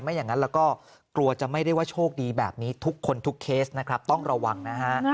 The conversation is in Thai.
อย่างนั้นแล้วก็กลัวจะไม่ได้ว่าโชคดีแบบนี้ทุกคนทุกเคสนะครับต้องระวังนะฮะ